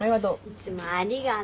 いつもありがとう。